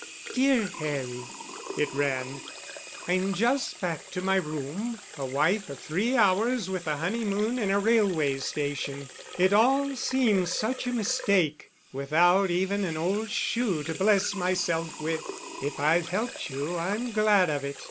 "Dear Harry" (it ran): "I'm just back to my room, a wife of three hours with a honeymoon in a railway station! It all seems such a mistake—without even an old shoe to bless myself with. If I've helped you I'm glad of it.